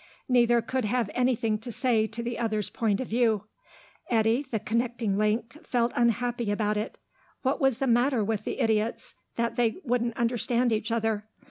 Neither could have anything to say to the other's point of view. Eddy, the connecting link, felt unhappy about it. What was the matter with the idiots, that they wouldn't understand each other?